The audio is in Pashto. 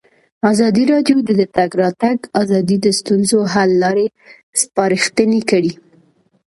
ازادي راډیو د د تګ راتګ ازادي د ستونزو حل لارې سپارښتنې کړي.